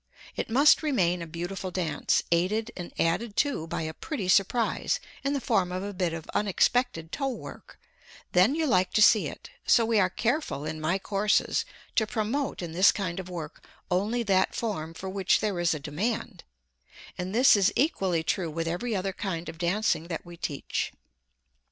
It must remain a beautiful dance, aided and added to by a pretty surprise in the form of a bit of unexpected toe work then you like to see it, so we are careful in my courses to promote in this kind of work only that form for which there is a demand, and this is equally true with every other kind of dancing that we teach.